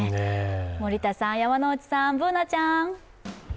森田さん、山内さん、Ｂｏｏｎａちゃん。